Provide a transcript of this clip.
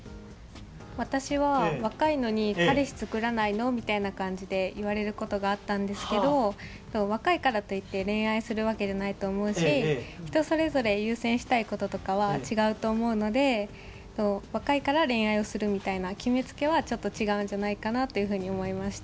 私は「若いのに彼氏作らないの？」みたいな感じで言われることがあったんですけど若いからといって恋愛するわけじゃないと思うし人それぞれ優先したいこととかは違うと思うので若いから恋愛をするみたいな決めつけはちょっと違うんじゃないかなっていうふうに思いました。